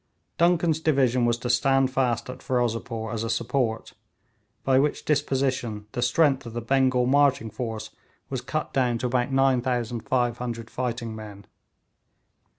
Duncan's division was to stand fast at Ferozepore as a support, by which disposition the strength of the Bengal marching force was cut down to about 9500 fighting men.